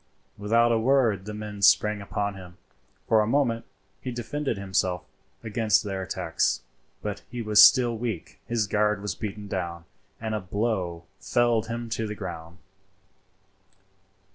Without a word the men sprang upon him. For a minute he defended himself against their attacks, but he was still weak; his guard was beaten down, and a blow felled him to the ground.